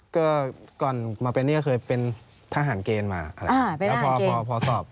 ก็ก่อนมาเป็นเนี้ยเคยเป็นทหารเกณฑ์มาอ่าเป็นทหารเกณฑ์แล้วพอพอสอบ